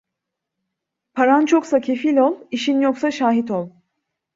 Paran çoksa kefil ol, işin yoksa şahit ol.